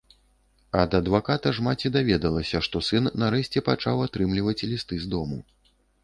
Ад адваката ж маці даведалася, што сын нарэшце пачаў атрымліваць лісты з дому.